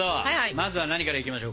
まずは何からいきましょうか？